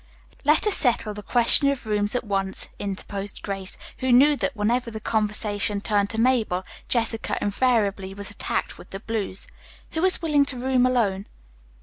"Let us settle the question of rooms at once," interposed Grace, who knew that whenever the conversation turned to Mabel, Jessica invariably was attacked with the blues. "Who is willing to room alone?"